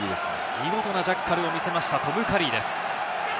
見事なジャッカルを見せましたトム・カリーです。